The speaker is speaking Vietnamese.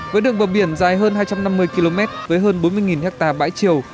với đường bờ biển dài hơn hai trăm năm mươi km với hơn bốn mươi ha bãi chiều